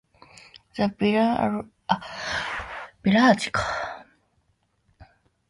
The village also was home to Cranfield University's Silsoe campus for agricultural engineering.